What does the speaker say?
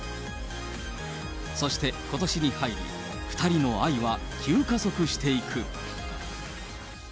そしてことしに入り、２人の愛は急加速していく。